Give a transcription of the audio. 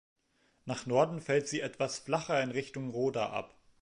Nach Norden fällt sie etwas flacher in Richtung Roda ab.